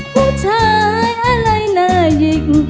ผู้ชายอะไรหน่อยิ่ง